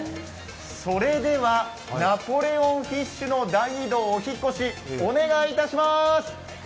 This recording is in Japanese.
それではナポレオンフィッシュの大移動、お引っ越し、お願いいたします。